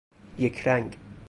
یک رنگ